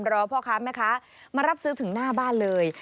รอพ่อค้าแม่ค้ามารับซื้อถึงหน้าบ้านเลย